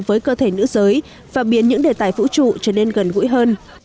với cơ thể nữ giới và biến những đề tài vũ trụ trở nên gần gũi hơn